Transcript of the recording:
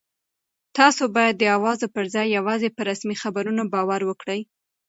تاسو باید د اوازو پر ځای یوازې په رسمي خبرونو باور وکړئ.